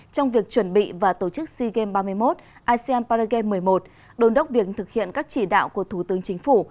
trong việc chuẩn bị và tổ chức sea games ba mươi một asean paragame một mươi một đồn đốc việc thực hiện các chỉ đạo của thủ tướng chính phủ